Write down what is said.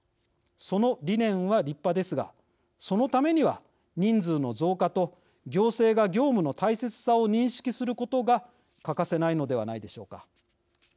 その理念は立派ですがそのためには人数の増加と行政が業務の大切さを認識することが欠かせないのではないでしょうか。